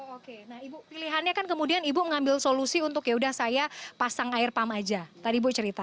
oke nah ibu pilihannya kan kemudian ibu mengambil solusi untuk yaudah saya pasang air pump aja tadi ibu cerita